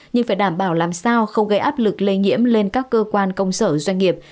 nhưng phải đảm bảo làm sao không gây áp lực lây nhiễm lên các cơ quan công sở doanh nghiệp